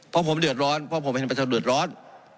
เพราะผมเดือดร้อนเพราะผมเห็นประชาชนเดือดร้อน